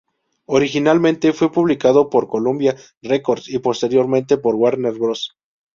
Originalmente fue publicado por Columbia Records y posteriormente por Warner Bros.